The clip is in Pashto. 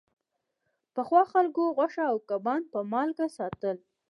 پخوا خلکو غوښه او کبان په مالګه ساتل.